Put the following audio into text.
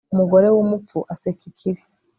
umugore w'umupfu aseka ikibi